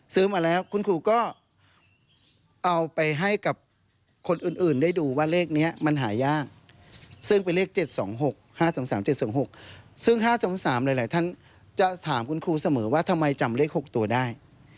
ซึ่ง๕๓๓อะไรท่านจะถามคุณครูเสมอว่าทำไมจำเลข๖ตัวได้